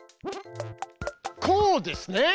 こうですね。